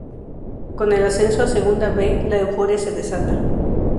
Con el ascenso a Segunda B, la euforia se desata.